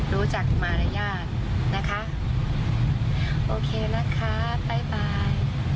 รู้จักมาริยาทนะคะนะคะบ๊ายบาย